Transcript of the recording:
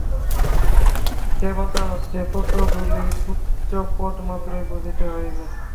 দেবতা অর্থে কতকগুলি উচ্চপদমাত্রই বুঝিতে হইবে।